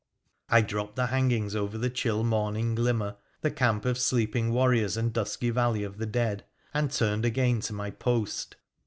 I dropped the hangings over the chill morning glimmer, the camp of sleeping warriors and dusky valley of the dead, and turned again to my post.